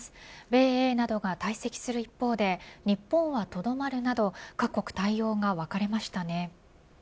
米英などが退席する一方で日本はとどまるなど各国、対応が分かれましたね。